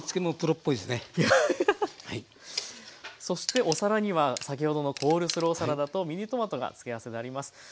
そしてお皿には先ほどのコールスローサラダとミニトマトが付け合わせであります。